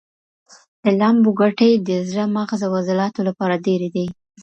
د لامبو ګټې د زړه، مغز او عضلاتو لپاره ډېرې دي.